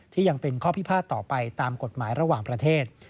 ยังเป็นข้อพิพาทต่อไปตามกฎหมายระหว่างประเทศ